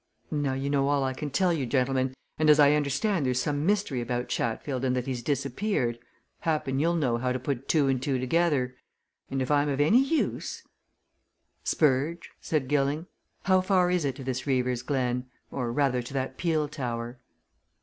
And now you know all I can tell you, gentlemen, and as I understand there's some mystery about Chatfield and that he's disappeared, happen you'll know how to put two and two together. And if I'm of any use " "Spurge," said Gilling. "How far is it to this Reaver's Glen or, rather to that peel tower?"